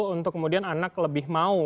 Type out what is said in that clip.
untuk kemudian anak lebih mau